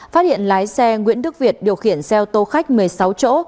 phát hiện lái xe nguyễn đức việt điều khiển xe ô tô khách một mươi sáu chỗ